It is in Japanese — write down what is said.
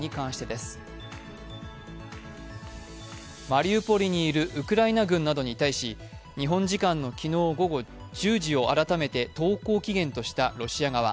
マリウポリにいるウクライナ軍などに対し日本時間の昨日午後１０時を改めて投降期限としたロシア側。